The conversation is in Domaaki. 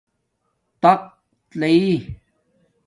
تخت لئئ